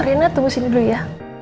rina tunggu sini dulu ya